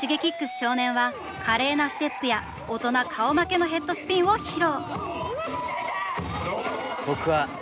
少年は華麗なステップや大人顔負けのヘッドスピンを披露！